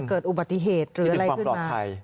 เกิดอุบัติเหตุหรืออะไรขึ้นมา